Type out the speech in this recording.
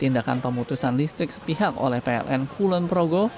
tindakan pemutusan listrik sepihak oleh pln kulon progo